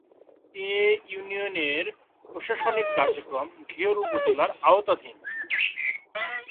এ ইউনিয়নের প্রশাসনিক কার্যক্রম ঘিওর উপজেলার আওতাধীন